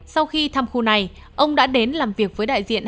sau khi thăm khu này ông đã đến làm việc với đại diện